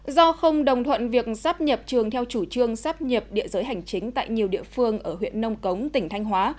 do không đồng thuận việc sắp nhập trường theo chủ trương sắp nhập địa giới hành chính tại nhiều địa phương ở huyện nông cống tỉnh thanh hóa